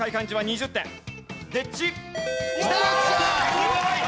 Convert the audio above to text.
すごい！